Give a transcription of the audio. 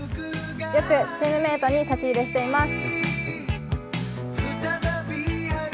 よくチームメイトに差し入れしています。